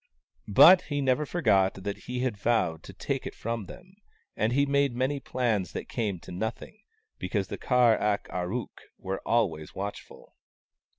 But he never forgot that he had vowed to take it from them, and he made many plans that came to nothing, because the Kar ak ar ook were always watchful.